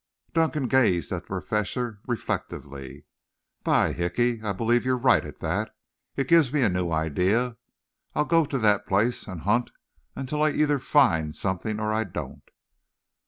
Dunkan gazed at the Professor reflectively. "By Hickey, I believe you're right at that. It gives me a new idea. I'll go to that place and hunt until either I find something or I don't."